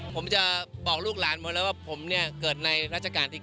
ผมจะบอกลูกหลานหมดแล้วว่าผมเนี่ยเกิดในราชการที่๙